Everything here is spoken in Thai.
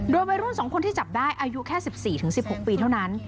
โดยวัยรุ่น๒คนที่จับได้อายุแค่๑๔๑๖ปีเท่านั้น